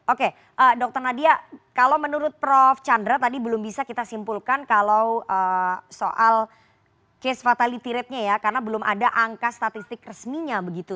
oke dr nadia kalau menurut prof chandra tadi belum bisa kita simpulkan kalau soal case fatality ratenya ya karena belum ada angka statistik resminya begitu